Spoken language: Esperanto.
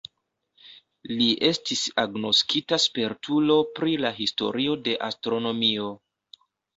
Li estis agnoskita spertulo pri la historio de astronomio.